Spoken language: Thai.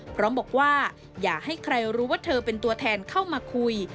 พร้อมบอกว่าอย่าให้ใครรู้ว่าเธอเป็นตัวแทนเข้ามาคุย